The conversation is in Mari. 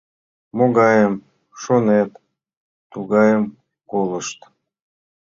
— Могайым шонет, тугайым колышт.